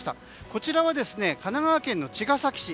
こちらは神奈川県の茅ヶ崎市。